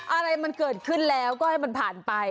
อะไรมันเกิดขึ้นแล้วก็ให้มันผ่านไป